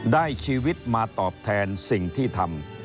ได้ชีวิตมาตอบแทนสิ่งที่ทำ